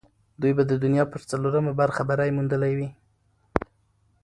دوی به د دنیا پر څلورمه برخه بری موندلی وي.